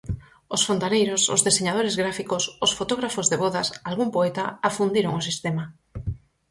Os fontaneiros, os deseñadores gráficos, os fotógrafos de vodas, algún poeta, afundiron o sistema.